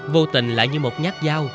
vô tình lại như một nhát dao